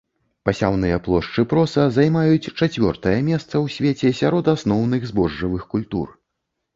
Пасяўныя плошчы проса займаюць чацвёртае месца ў свеце сярод асноўных збожжавых культур.